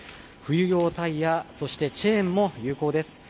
冬用タイヤ、そして、チェーンも有効です。